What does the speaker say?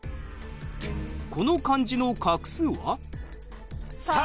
この漢字の画数は？